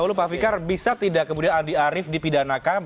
menyampaikan segera kembali saat lagi tetap bersama kami